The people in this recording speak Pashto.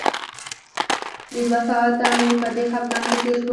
د دوه ساعته مې په دې خپګان کې تېر شول.